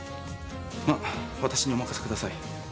まあ、私にお任せください。